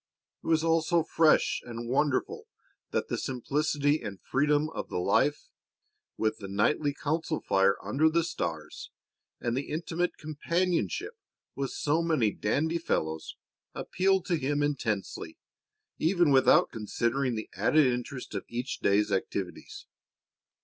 It was all so fresh and wonderful that the simplicity and freedom of the life, with the nightly council fire under the stars and the intimate companionship with so many "dandy" fellows, appealed to him intensely even without considering the added interest of each day's activities.